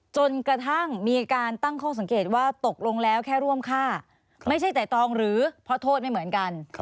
จนกระทั่งมีการตั้งข้อสังเกตว่าตกลงแล้วแค่ร่วมฆ่าไม่ใช่แต่ตองหรือเพราะโทษไม่เหมือนกัน